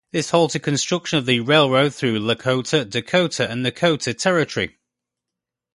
This halted construction of the railroad through Lakota, Dakota, and Nakota territory.